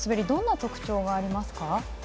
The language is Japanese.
どんな特徴がありますか？